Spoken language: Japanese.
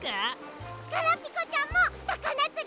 ガラピコちゃんもさかなつり？